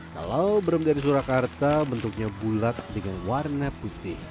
kalau brem dari surakarta bentuknya bulat dengan warna putih